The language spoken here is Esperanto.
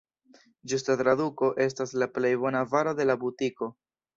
Ĝusta traduko estas «la plej bona varo de la butiko».